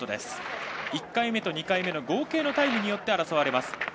１回目と２回目の合計のタイムによって争われます。